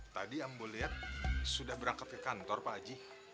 tadi ambo lia sudah berangkat ke kantor pak aji